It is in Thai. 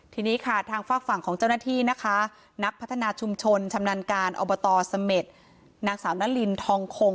ทีนี้ค่ะทางฝากฝั่งของเจ้าหน้าที่นะคะนักพัฒนาชุมชนชำนาญการอบตเสม็ดนางสาวนารินทองคง